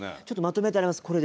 ちょっとまとめてあります。